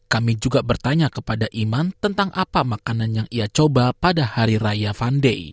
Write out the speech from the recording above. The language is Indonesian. kami juga bertanya kepada iman tentang apa makanan yang ia coba pada hari raya van day